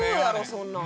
そんなん。